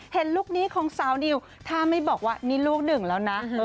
ลุคนี้ของสาวดิวถ้าไม่บอกว่านี่ลูกหนึ่งแล้วนะ